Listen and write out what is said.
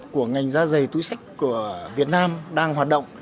của ngành da giày túi sách của việt nam đang hoạt động